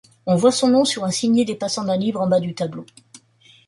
On voit son nom sur un signet dépassant d'un livre en bas du tableau.